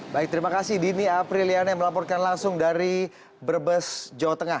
baik terima kasih dini aprilian yang melaporkan langsung dari brebes jawa tengah